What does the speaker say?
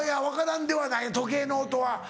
分からんではない時計の音は。